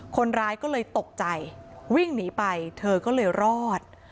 คนร้ายก็เลยตกใจวิ่งหนีไปเธอก็เลยรอด